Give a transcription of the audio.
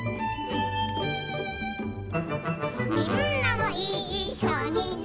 「みんなもいっしょにね」